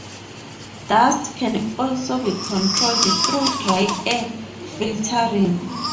Dust can also be controlled through dry air filtering.